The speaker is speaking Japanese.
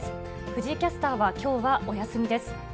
藤井キャスターはきょうはお休みです。